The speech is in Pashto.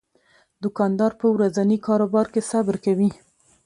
دوکاندار په ورځني کاروبار کې صبر کوي.